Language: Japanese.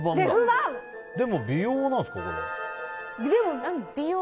でも、美容なんですか？